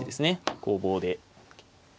攻防で。